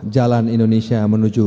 jalan indonesia menuju